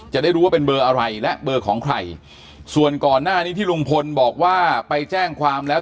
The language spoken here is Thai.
จะได้รู้ว่าเป็นเบอร์อะไรและเบอร์ของใครส่วนก่อนหน้านี้ที่ลุงพลบอกว่าไปแจ้งความแล้ว